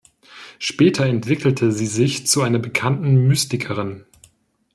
Später entwickelte sie sich zu einer bekannten Mystikerin.